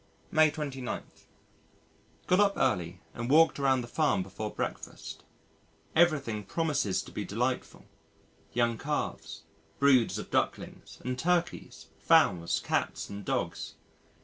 May 29. Got up early and walked around the Farm before breakfast. Everything promises to be delightful young calves, broods of ducklings, and turkeys, fowls, cats and dogs.